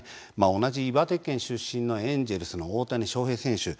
同じ岩手県出身のエンジェルスの大谷翔平選手。